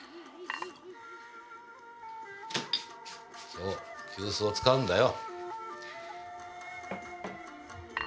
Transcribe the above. そう急須を使うんだよ。